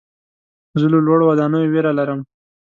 زه له لوړو ودانیو ویره لرم.